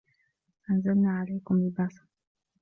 أَنْزَلْنَا عَلَيْكُمْ لِبَاسًا